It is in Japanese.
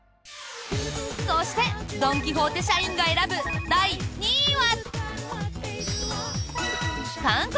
そしてドン・キホーテ社員が選ぶ第２位は。